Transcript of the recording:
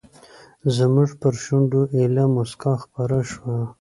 زموږ پر شونډو ایله موسکا خپره شوه.